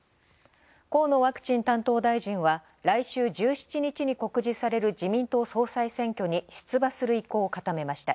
河野ワクチン担当大臣は来週１７日に告示される自民党総裁選挙に出馬する意向を固めました。